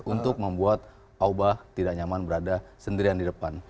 untuk membuat aubah tidak nyaman berada sendirian di depan